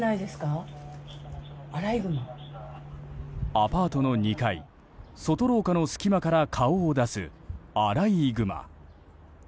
アパートの２階外廊下の隙間から顔を出すアライグマ。